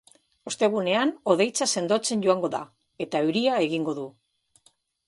Ostegunean, hodeitza sendotzen joango da, eta euria egingo du.